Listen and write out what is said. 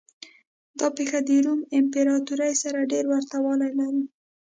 دا پېښه د روم امپراتورۍ سره ډېر ورته والی لري.